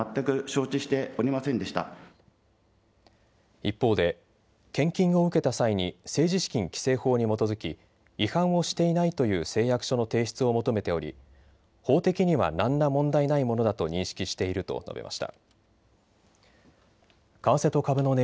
一方で献金を受けた際に政治資金規正法に基づき違反をしていないという誓約書の提出を求めており法的には何ら問題ないものだと認識していると述べました。